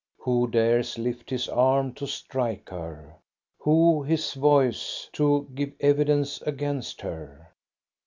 Who dares lift his arm to strike her; who his voice to give evidence against her